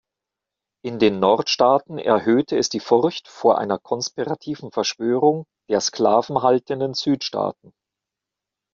In den Nordstaaten erhöhte es die Furcht vor einer konspirativen Verschwörung der sklavenhaltenden Südstaaten.